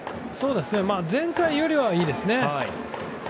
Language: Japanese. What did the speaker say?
前回よりはいいですね。